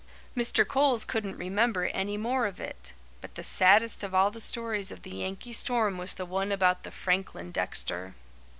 "Mr. Coles couldn't remember any more of it. But the saddest of all the stories of the Yankee Storm was the one about the Franklin Dexter.